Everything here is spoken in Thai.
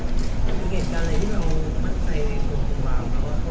มีเหตุการณ์อะไรที่เรามันใจในหัวของเรามั้งว่าเขาจะรู้แล้ว